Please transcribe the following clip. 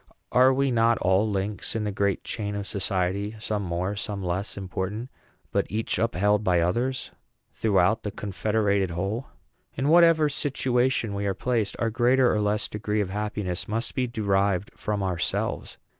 Are we not all links in the great chain of society, some more, some less important, but each upheld by others, throughout the confederated whole? In whatever situation we are placed, our greater or less degree of happiness must be derived from ourselves.